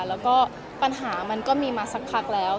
แล้วก็ปัญหามันก็มีมาสักพักแล้ว